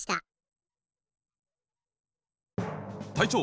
隊長！